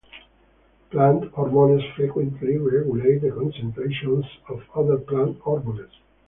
Plant hormones frequently regulate the concentrations of other plant hormones.